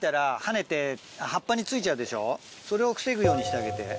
それを防ぐようにしてあげて。